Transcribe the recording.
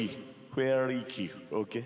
フェアリー・キー。